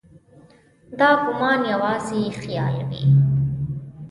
دا ګومان یوازې خیال وي.